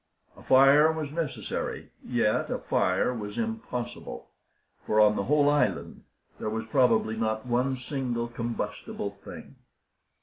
A fire was necessary, yet a fire was impossible; for on the whole island there was probably not one single combustible thing.